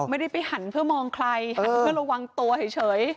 ไม่ได้ไปหันเพื่อมองใครหันเพื่อระวังตัวเฉย